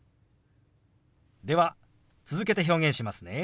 では続けて表現しますね。